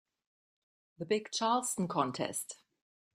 The big Charleston contest.